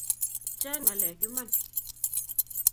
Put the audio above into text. Chang' ng'alek iman